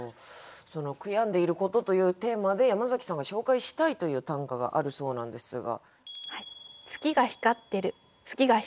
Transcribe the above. その「悔やんでいること」というテーマで山崎さんが紹介したいという短歌があるそうなんですが。